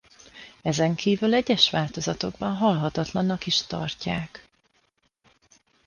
Ezen kívül egyes változatokban halhatatlannak is tartják.